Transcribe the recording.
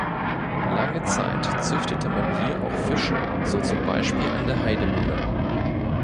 Lange Zeit züchtete man hier auch Fische, so zum Beispiel an der Heidemühle.